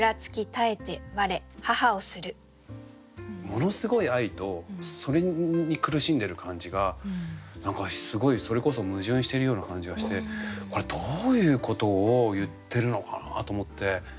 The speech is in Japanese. ものすごい愛とそれに苦しんでる感じが何かすごいそれこそ矛盾しているような感じがしてこれどういうことを言ってるのかなと思って。